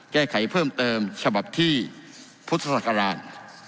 แก้ไขเพิ่มเติมฉบับที่พุทธศักราช